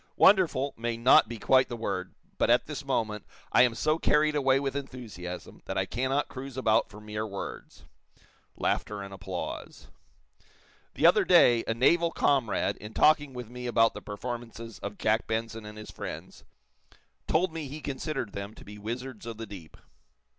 'Wonderful' may not be quite the word, but, at this moment, I am so carried away with enthusiasm that I cannot cruise about for mere words." (Laughter and applause.) "The other day, a naval comrade, in talking with me about the performances of Jack Benson and his friends, told me be considered them to be wizards of the deep."